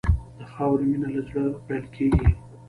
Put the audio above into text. د خاورې مینه له زړه پیل کېږي.